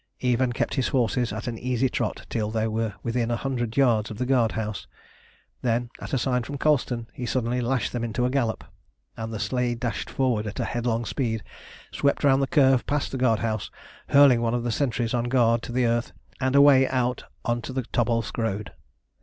Ivan kept his horses at an easy trot till they were within a hundred yards of the guard house. Then, at a sign from Colston, he suddenly lashed them into a gallop, and the sleigh dashed forward at a headlong speed, swept round the curve past the guard house, hurling one of the sentries on guard to the earth, and away out on to the Tobolsk road.